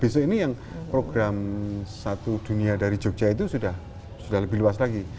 besok ini yang program satu dunia dari jogja itu sudah lebih luas lagi